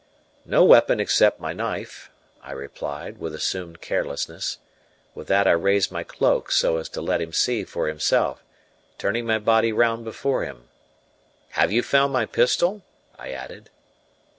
"No weapon except my knife," I replied, with assumed carelessness. With that I raised my cloak so as to let him see for himself, turning my body round before him. "Have you found my pistol?" I added.